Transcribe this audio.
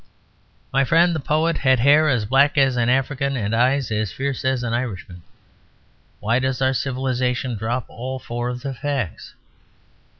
My friend the poet had hair as black as an African and eyes as fierce as an Irishman; why does our civilisation drop all four of the facts?